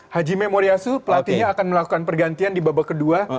haji memoriasu pelatihnya akan melakukan pergantian di babak kedua